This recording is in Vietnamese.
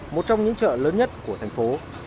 một trong những chợ lớn nhất của thành phố